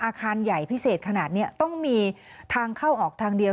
อาคารใหญ่พิเศษขนาดนี้ต้องมีทางเข้าออกทางเดียว